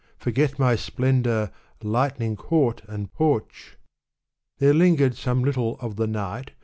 Forget nay splendor, lighting court and porch i " There lingered some little of the night.